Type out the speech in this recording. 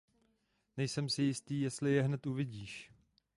Nejsem si jistý, jestli je hned uvidíš.